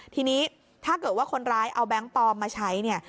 ทีนี้ถ้าเกิดว่าคนร้ายเอาแบงค์ปลอมมาใช้เนี่ย